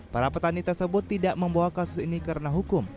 para petani tersebut tidak membawa kasus ini karena hukum